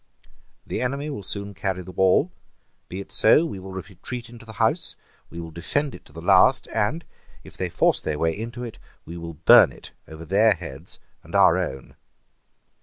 "The enemy will soon carry the wall. Be it so. We will retreat into the house: we will defend it to the last; and, if they force their way into it, we will burn it over their heads and our own."